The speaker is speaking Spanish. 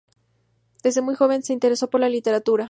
Desde muy joven se interesó por la literatura.